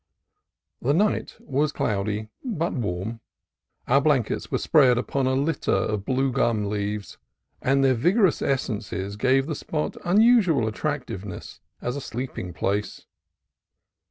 The night was cloudy but warm. Our blankets were spread upon a deep litter of blue gum leaves, and their vigorous essences gave the spot unusual attractiveness as a sleeping place.